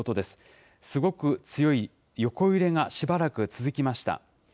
すごく強い横揺れがしばらく続きました。